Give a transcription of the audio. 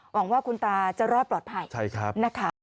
หวังว่าคุณตาจะรอดปลอดภัยนะคะ